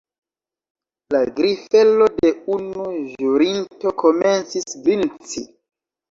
La grifelo de unu ĵurinto komencis grinci.